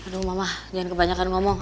aduh mama jangan kebanyakan ngomong